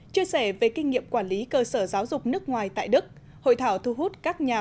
chia sẻ về kinh nghiệm quản lý cơ sở giáo dục nước ngoài tại đức hội thảo thu hút các nhà